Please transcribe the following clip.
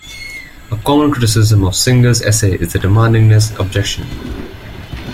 A common criticism of Singer's essay is the demandingness objection.